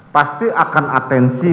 pasti akan atensi